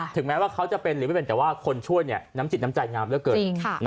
แม้ว่าเขาจะเป็นหรือไม่เป็นแต่ว่าคนช่วยน้ำจิตน้ำใจงามเหลือเกิน